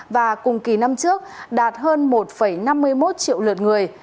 và cùng kỳ năm trước đạt hơn một năm mươi một triệu lượt người